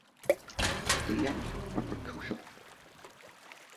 The young are precocial.